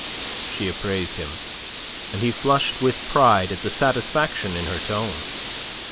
She appraised him, and he flushed with pride at the satisfaction in her tone.